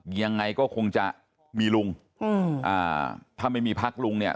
ยังไงก็คงจะมีลุงอืมอ่าถ้าไม่มีพักลุงเนี่ย